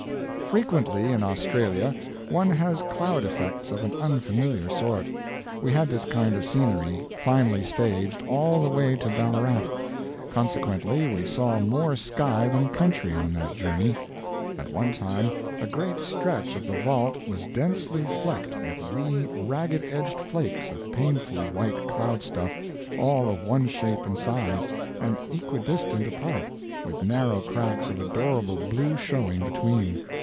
Frequently, in Australia, one has cloud effects of an unfamiliar sort. We had this kind of scenery, finely staged, all the way to Ballarat. Consequently we saw more sky than country on that journey. At one time a great stretch of the vault was densely flecked with wee ragged edged flakes of painfully white cloud stuff, all of one shape and size, and equidistant apart, with narrow cracks of adorable blue showing between.